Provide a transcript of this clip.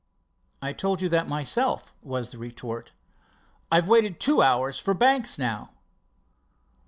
"I told you that myself," was the retort. "I've waited two hours for Banks now."